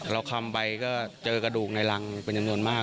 คำไปก็เจอกระดูกในรังเป็นจำนวนมาก